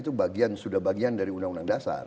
kalau amendement itu sudah bagian dari undang undang dasar